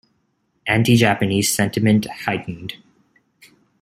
Anti-Japanese sentiment heightened.